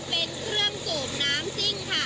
เป็นเครื่องสูบน้ำซิ่งค่ะ